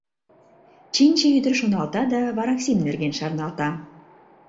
— Чинче ӱдыр шоналта да вараксим нерген шарналта.